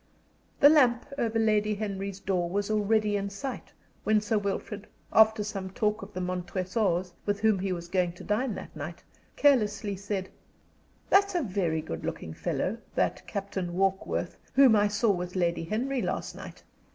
The lamp over Lady Henry's door was already in sight when Sir Wilfrid, after some talk of the Montresors, with whom he was going to dine that night, carelessly said: "That's a very good looking fellow, that Captain Warkworth, whom I saw with Lady Henry last night."